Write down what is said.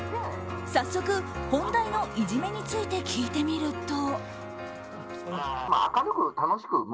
早速、本題のいじめについて聞いてみると。